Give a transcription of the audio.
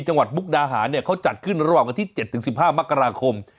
จังหวัดมุกนาหารเนี้ยเขาจัดขึ้นระหว่างวันที่เจ็ดถึงสิบห้ามกราคม